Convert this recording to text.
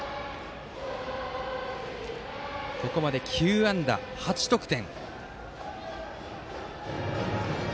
ここまで９安打８得点。